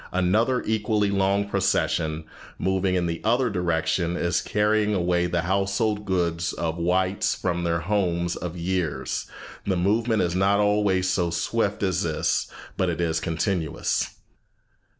Another equally long procession, moving in the other direction, is carrying away the household goods of the whites from their homes of years." The movement is not always so swift as this, but it is continuous.